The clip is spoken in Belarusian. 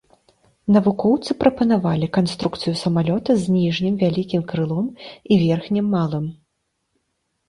Навукоўцы прапанавалі канструкцыю самалёта з ніжнім вялікім крылом і верхнім малым.